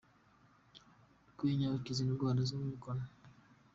Umwenya ukiza indwara zo mu kanwa.